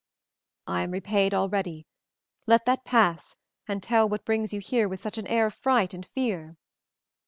"I am repaid already. Let that pass, and tell what brings you here with such an air of fright and fear?"